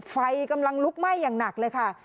ไฟกำลังลุกไหม้อย่างหนักเลยค่ะ